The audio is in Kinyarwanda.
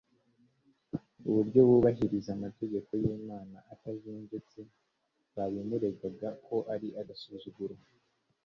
Uburyo yubahirizaga amategeko y'Imana atajenjetse babimuregaga ko ari agasuzuguro.